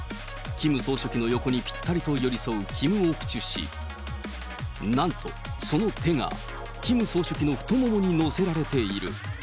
キム総書記の横にぴったりと寄り添うキム・オクチュ氏、なんとその手が、キム総書記の太ももに乗せられている。